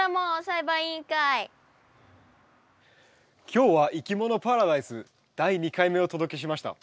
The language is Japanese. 今日は「いきものパラダイス」第２回目をお届けしました。